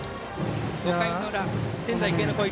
５回の裏、仙台育英の攻撃。